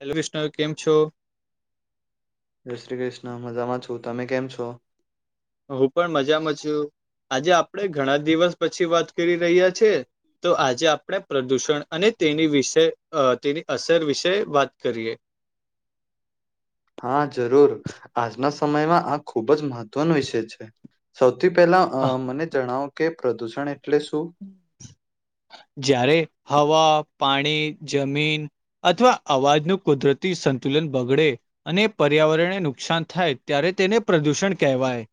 [unintelligible] કેમ છો. જય શ્રી કૃષ્ણ મજામાં છું તમે કેમ છો. હું પણ મજામાં છું આજે આપડે ઘણા દિવસ પછી વાત કરી રહ્યા છે. તો આજે આપણે પ્રદૂષણ અને તેની વિશે અ તેની અસર વિશે વાત કરીએ. હા જરૂર આજના સમયમાં આ ખુબ જ મહત્વનો વિષય છે સૌથી પહેલા- અ આહ, મને જણાવો કે પ્રદૂષણ એટલે શું? જ્યારે હવા પાણી જમીન, અથવા અવાજનું કુદરતી સંતુલન બગડે- અને પર્યાવરણને નુકસાન થાય ત્યારે તેને પ્રદૂષણ કહેવાય.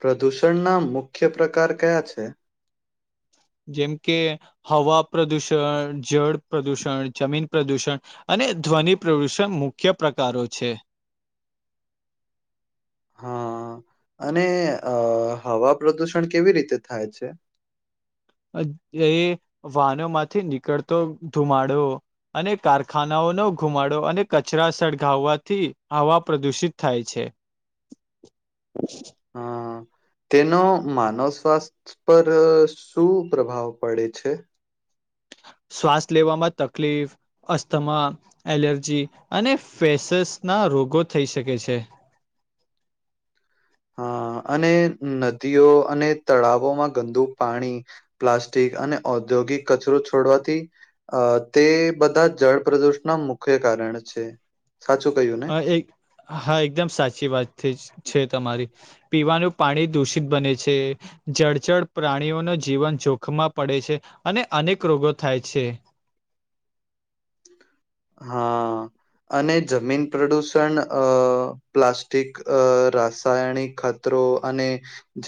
પ્રદૂષણ ના મુખ્ય પ્રકાર કયા છે. જેમ કે હવા પ્રદુષણ, જળ પ્રદુષણ, જમીન પ્રદુષણ, અને ધ્વનિ પ્રદૂષણ મુખ્ય પ્રકારો છે. હા અને અ હવા પ્રદુષણ કેવી રીતે થાય છે? એ વાહનો માંથી નીકળતો ધુમાડો- અને કારખાનાઓનો ઘુમાડો અને કચરા સળગાવવાથી હવા પ્રદુષિત થાય છે. [unintelligible] [unintelligible] હઅ [inaudible] [unintelligible] તેનો માનવ સ્વાસ્થ્ય પર શું પ્રભાવ પડે છે. શ્વાસ લેવામાં તકલીફ અસ્થમા એલર્જી અને ફેસસ ના રોગો થઈ શકે છે. હા અને નદીઓ અને તળાવોમાં ગંદુ પાણી- પ્લાસ્ટિક અને ઔદ્યોગિક કચરો છોડવાથી- અ તે બધા જળ પ્રદૂષણના મુખ્ય કારણ છે. સાચું કહ્યું ને હ એક હા એકદમ સાચી વાત છે તમારી- પીવાનું પાણી દૂષિત બને છે. જળચળ પ્રાણીઓ ન જીવન જોખમાં પડે છે અને અનેક રોગો થાય છે. હા અને જમીન પ્રદૂષણ અ પ્લાસ્ટિક અ રાસાયણિક ખા કચરો અને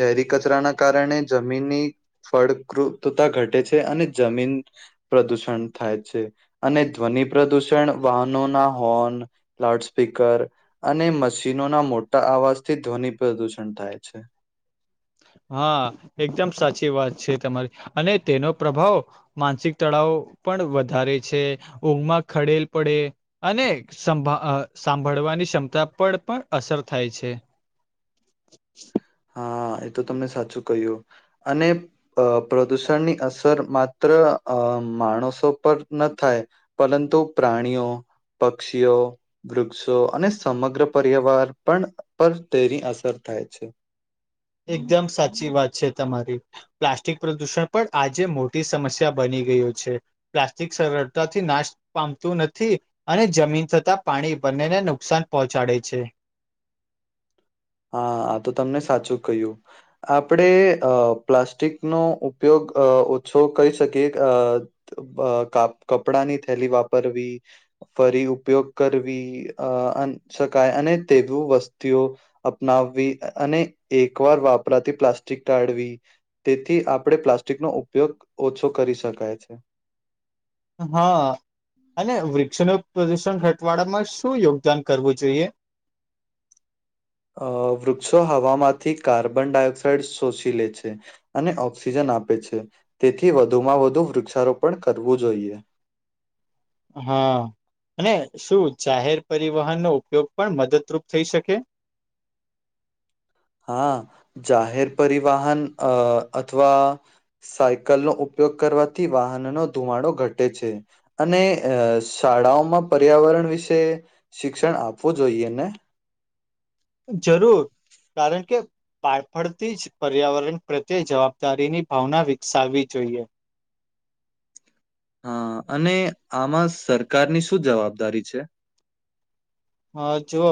ઝેરી કચરાના કારણે જમીનની- ફળદ્રુપતા ઘટે છે અને જમીન- પ્રદૂષણ થાય છે અને ધ્વનિ પ્રદૂષણ વાહનો ના હોર્ન લાઉડ સ્પીકર અને મશીનો ના મોટા અવાજથી ધ્વનિ પ્રદૂષણ થાય છે. હા એકદમ સાચી વાત છે તમારી અને તેનો પ્રભાવ- માનસિક તળાવ પણ વધારે છે ઊંઘમાં ખડેલ પડેલ- અને સંભા સાંભળવાની ક્ષમતા પર પણ અસર થાય છે. હા એતો તમે સાચું કહ્યું અને- અ પ્રદૂષણની અસર માત્ર અ માણસો પર ન થાય- પરંતુ પ્રાણીઓ પક્ષીઓ વૃક્ષો અને સમગ્ર પર્યાવાર પણ પર તેની અસર થાય છે. એકદમ સાચી વાત છે તમારી. પ્લાસ્ટિક પ્રદુષણ પણ આજે મોટી સમસ્યા બની ગયું છે. પ્લાસ્ટિક સરળતાથી નાશ પામતું નથી. અને જમીન થતાં પાણી બંને ને નુકસાન પહોંચાડે છે. હા આ તો તમે સાચું કહ્યું. આપણે અ પ્લાસ્ટિકનો ઉપયોગ આ ઓછો કરી શકીએ આ આ કાપ કપડાની થેલી વાપરવી. ફરી ઉપયોગ કરવી અ શકાય અને તેવુ વસ્તુઓ અપનાવવી અને એકવાર વાપરાતી પ્લાસ્ટિક તાડવી. તેથી આપણે પ્લાસ્ટિકનો ઉપયોગ ઓછો કરી શકાય છે. હા અને વૃક્ષનું પ્રદુષણ ઘટાડવાળામાં શું યોગદાન કરવું જોઈએ? અ વૃક્ષો હવામાંથી કાર્બન ડાયોક્સાાઈડ શોષી લે છે. અને ઓક્સિજન આપે છે તેથી વધુમાં વધુ વૃક્ષારોપણ કરવું જોઈએ. હા અને શું જાહેર પરિવહનનો ઉપયોગ પણ મદદરૂપ થઈ શકે? હા જાહેર પરિવાહન અ અથવા સાયકલનો ઉપયોગ કરવાથી વાહનોનો ધુમાડો ઘટે છે. અને શાળાઓમાં પર્યાવરણ વિશે શિક્ષણ આપવું જોઈએ ને? જરૂર કારણ કે બાળપણથી જ પર્યાવરણ પ્રત્યે જવાબદારીની ભાવના વિકસાવવી જોઈએ. હા અને આમાં સરકારની શું જવાબદારી છે.? હા જો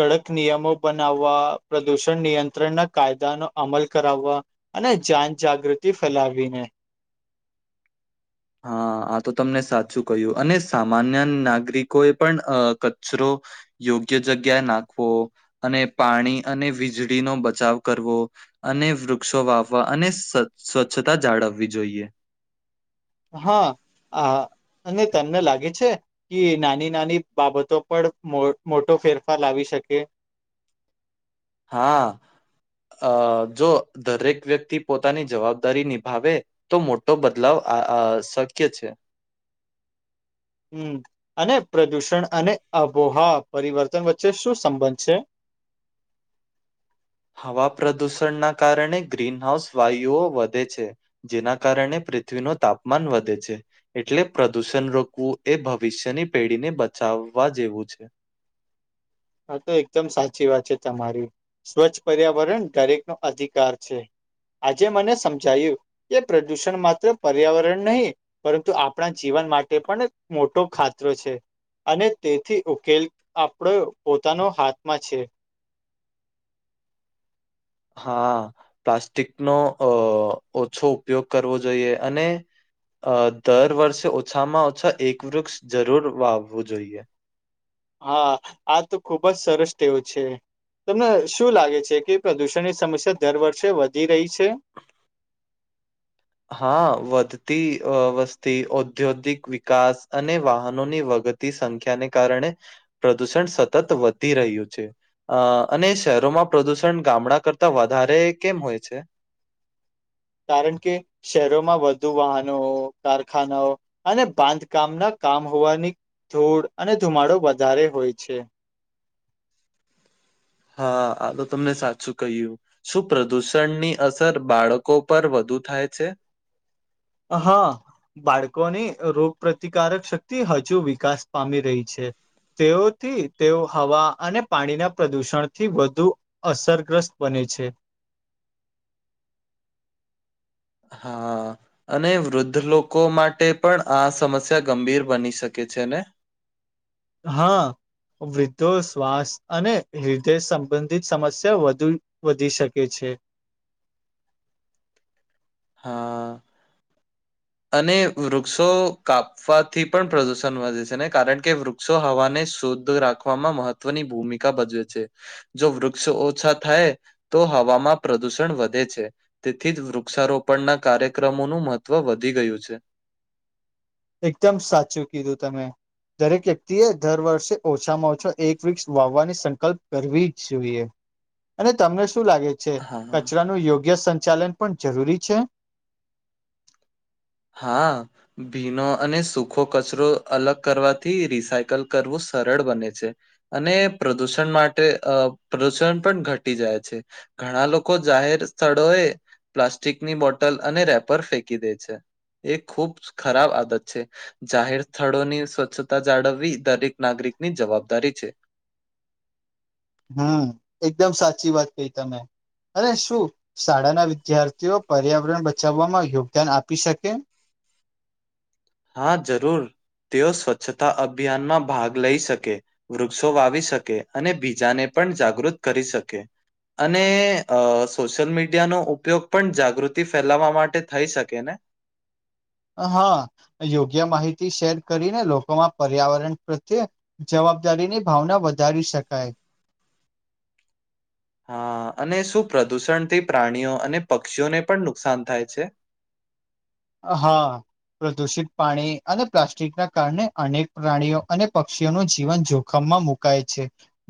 કડક નિયમો બનાવવા પ્રદુષણ નિયંત્રણના કાયદાનો અમલ કરાવવા અને જન જાગૃતિ ફેલાવીને. હા આ તો તમે સાચું કહ્યું અને સામાન્ય નાગરિકોએ પણ અ કચરો યોગ્ય જગ્યાએ નાખવો અને પાણી અને વીજળીનો બચાવ કરવો. અને વૃક્ષો વાવવા અને સ્વ સ્વચ્છતા જાળવવી જોઈએ. હા આ અને તમને લાગે છે. કે નાની નાની બાબતો પણ મો મોટો ફેરફાર લાવી શકે. હા અ જો દરેક વ્યક્તિ પોતાની જવાબદારી નિભાવે તો મોટો બદલાવ આ આ શક્ય છે. હમ્મ અને પ્રદુષણ અને આબોહવા પરિવર્તન વચ્ચે શું સંબંધ છે? હવા પ્રદુષણના કારણે ગ્રીનહાઉસ વાયુઓ વધે છે. જેના કારણે પૃથ્વીનું તાપમાન વધે છે. એટલે પ્રદૂષણ રોકવું એ ભવિષ્યની પેઢીને બચાવવા જેવું છે. હા તો એકદમ સાચી વાત છે તમારી સ્વચ્છ પર્યાવરણ દરેક નો અધિકાર છે. આજે મને સમજાયું કે પ્રદૂષણ માત્ર પર્યાવરણ નહીં પરંતુ આપણા જીવન માટે પણ મોટો ખતરો છે. અને તેથી ઉકેલ આપણો પોતાનો હાથમાં છે. હા પ્લાસ્ટિકનો અ ઓછો ઉપયોગ કરવો જોઈએ અને અ દર વર્ષે ઓછામાં ઓછા એક વૃક્ષ જરૂર વાવવું જોઈએ. હા આ તો ખુબ જ સરસ ટેવ છે. તમને શું લાગે છે કે પ્રદુષણની સમસ્યા દર વર્ષે વધી રહી છે? હા વધતી વસ્તી ઔદ્યોગિક વિકાસ અને વાહનોની વગ તી સંખ્યા ને કારણે પ્રદૂષણ સતત વધી રહ્યું છે. અ અને શહેરોમાં પ્રદુષણ ગામડા કરતા વધારે કેમ હોય છે? કારણ કે શહેરોમાં વધુ વાહનો, કારખાનાઓ અને બાંધકામના કામ હોવાની ધૂળ અને ધુમાડો વધારે હોય છે. હા આ તો તમે સાચું કહ્યું. શું પ્રદુષણની અસર બાળકો પર વધુ થાય છે? અહ બાળકોની રોગ પ્રતિકારક શક્તિ હજુ વિકાસ પામી રહી છે. તેઓથી તેઓ હવા અને પાણીના પ્રદુષણથી વધુ. અસરગ્રસ્ત બને છે. હા. અને વૃદ્ધ લોકો માટે પણ આ સમસ્યા ગંભીર બની શકે છે, ને હા, વૃદ્ધો શ્વાસ અને હૃદય સંબંધિત સમસ્યા વધુ વધી શકે છે. હા અને વૃક્ષો કાપ. પા થી પણ પ્રદુષણ વધે છે, ને કારણ કે વૃક્ષો હવાને શુદ્ધ રાખવામાં મહંત, મહત્વ ની ભૂમિકા ભજવે છે, જો વૃક્ષ ઓછા થાય. તો હવામાં પ્રદુષણ વધે છે, તેથી જ વૃક્ષારોપણ. પણના કાર્યક્રમોનું મહત્વ વધી ગયું છે. એકદમ સાચું કીધું તમે. દરેક વ્યક્તિએ દર વર્ષે ઓછામાં ઓછો એક વીર્ક્સ વાવવાની સંકલ્પ કરવી જ જોઈએ. અને તમને શું લાગે છે, હા. કચરાનું યોગ્ય સંચાલન પણ જરૂરી છે. હા. ભીનો અને સુખો કચરો અલગ કરવાથી રિસાયકલ કરવું સરળ બને છે. અને પ્રદુષણ માટે અ પ્રદુષણ પણ ઘટી જાય છે. ઘણા લોકો જાહેર સ્થળો એ પ્લાસ્ટિકની બોટલ અને રેપર ફેંકી દે છે. એ ખુબ ખરાબ આદત છે. જાહેર સ્થળોની સ્વચ્છતા જાળવવી દરેક નાગરિકની જવાબદારી છે. હું એકદમ સાચી વાત કંઈ તમે, અને શું શાળાના વિદ્યાર્થીઓ પર્યાવરણ બચાવવામાં યોગદાન આપી શકે. હા, જરૂર તેઓ સ્વચ્છતા અભિયાનમાં ભાગ લઈ શકે. વૃક્ષો વાવી શકે અને બીજાને પણ જાગૃત કરી શકે. અને સોશિયલ મીડિયાનો ઉપયોગ પણ જાગૃતિ ફેલાવા માટે થઈ શકે ને. હા યોગ્ય માહિતી શેર કરીને લોકોમાં પર્યાવરણ પ્રત્યે, જવાબદારી ની ભાવના વધારી શકાય. હા અને શું પ્રદુષણ થી પ્રાણીઓ અને પક્ષીઓને પણ નુકસાન થાય છે. હા, પ્રદુષિત પાણી અને પ્લાસ્ટિક ના કારણે અનેક પ્રાણીઓ અને પક્ષીઓ ન જીવન જોખમમાં મુકા મુકાઈ છે.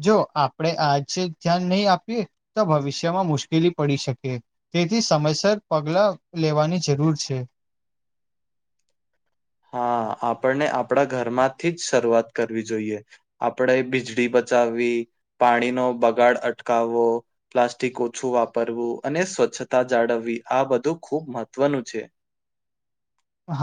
જો આપણેે આજે ધ્યાન નહીં આપીએ તો ભવિષ્યમાં મુશ્કેલી પડી સેકે તેથી સમયસર પગલા લેવાની જરૂર છે. હા, આપણને આપણા ઘરમાંથી જ શરૂઆત કરવી જોઈએ. આપણે વીજળી બચાવવી પાણીનો બગાડ અટકાવવો. પ્લાસ્ટિક ઓછું વાપરવું અને સ્વચ્છતા જાળવવી આ બધું ખુબ મહત્વનું છે.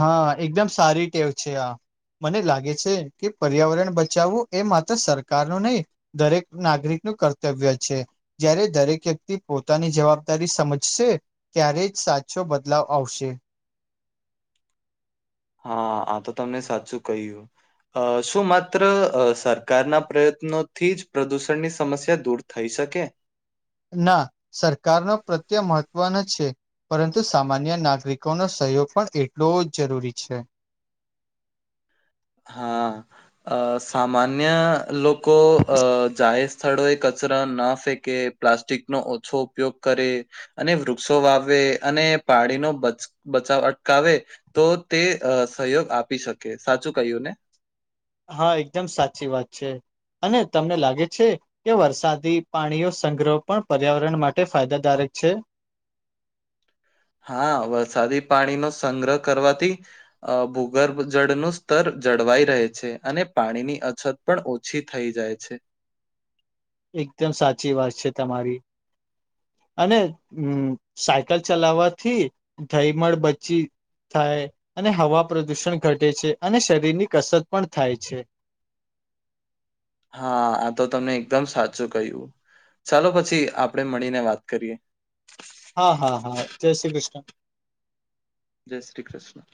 હા એકદમ સારી ટેવ છે, આ મને લાગે છે, કે પર્યાવરણ બચાવવું એ માત્ર સરકાર નો નઈ દરેક નાગરિક નું કર્તવ્ય છે. જ્યારે દરેક વ્યક્તિ પોતાની જવાબદારી સમજશે. ક્યારે જ સાચો બદલાવ આવશે. હા, આ તો તમને સાચું કહ્યું. અ શું માત્ર સરકારના પ્રયત્નોથી જ પ્રદૂષણની સમસ્યા દૂર, થઈ શકે, ના સરકારનો પ્રત્યે મહત્વનો છે. પરંતુ સામાન્ય નાગરિકોનો સહયોગ પણ એટલો જ જરૂરી છે. હા અ સામાન્ય લોકો અ જાહેર સ્થળોએ કચરા ના ફેંકે પ્લાસ્ટિક નો ઓછો ઉપયોગ કરે. અને વૃક્ષો વાવેવે અને પાણીનો બચ બચાવ અટકાવે તો તે સહયોગ આપી શકે. સાચું કહ્યું ને? હા એકદમ સાચી વાત છે અને તમને લાગે છે. કે વરસાદી પાણીઓ સંગ્રહ પણ પર્યાવરણ માટે ફાયદાદારક છે. હા વરસાદી પાણીનો સંગ્રહ કરવાથી અ ભૂગર્ભ જળનું સ્તર જળવાઈ રહે છે અને પાણીની અછત પણ ઓછી થઈ જાય છે. એકદમ સાચી વાત છે તમારી. અને હમ સાયકલ ચલાવવાથી ધયમળ બચી થાય અને હવા પ્રદુષણ ઘટે છે અને શરીર ની કસરત પણ થાય છે. હા આ તો તમને એકદમ સાચું કહ્યું. ચાલો પછી આપડે મળીને વાત કરીએ. હા હા હા જય શ્રી કૃષ્ણ. જય શ્રી કૃષ્ણ.